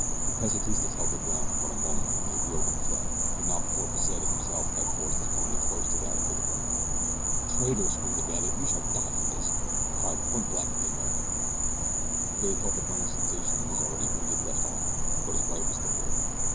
The Pesitistas held their ground for but a moment then they wheeled and fled; but not before Pesita himself had forced his pony close to that of Billy Byrne. "Traitor!" screamed the bandit. "You shall die for this," and fired point blank at the American. Billy felt a burning sensation in his already wounded left arm; but his right was still good.